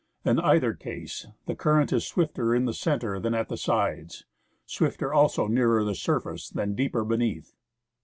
In either case the current is swifter in the centre than at the sides, swifter also nearer the surface than deeper beneath.